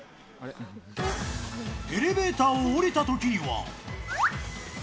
エレベーターを降りたときには。